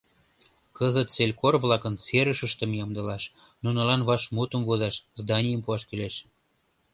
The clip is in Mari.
Кызыт селькор-влакын серышыштым ямдылаш, нунылан вашмутым возаш, заданийым пуаш кӱлеш.